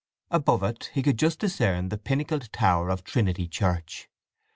Above it he could just discern the pinnacled tower of Trinity Church.